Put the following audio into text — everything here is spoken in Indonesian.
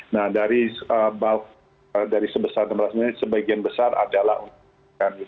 nah dari sebesar enam ratus sembilan puluh sembilan triliun sebagian besar adalah